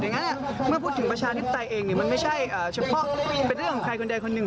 งั้นเมื่อพูดถึงประชาธิปไตยเองมันไม่ใช่เฉพาะเป็นเรื่องของใครคนใดคนหนึ่ง